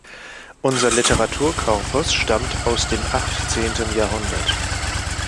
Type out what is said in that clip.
Unser Literaturkorpus stammt aus dem achtzehnten Jahrhundert.